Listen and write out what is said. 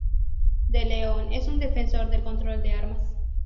De León es un defensor del control de armas.